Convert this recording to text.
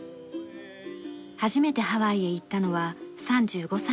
初めてハワイへ行ったのは３５歳の時です。